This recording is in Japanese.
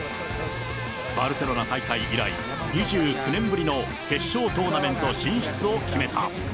バルセロナ大会以来、２９年ぶりの決勝トーナメント進出を決めた。